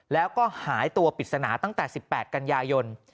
แล้วก็หายตัวปริศนาตั้งแต่๑๘กันยายน